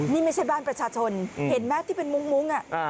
นี่ไม่ใช่บ้านประชาชนเห็นไหมที่เป็นมุ้ง